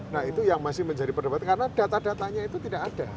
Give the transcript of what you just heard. nah itu yang masih menjadi perdebatan karena data datanya itu tidak ada